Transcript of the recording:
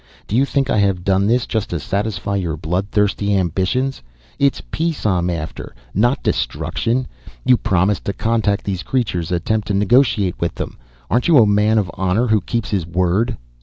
Do you think I have done this just to satisfy your blood thirsty ambitions? It's peace I'm after not destruction. You promised to contact these creatures, attempt to negotiate with them. Aren't you a man of honor who keeps his word?"